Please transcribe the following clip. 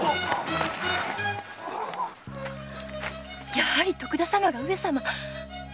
やはり徳田様が上様！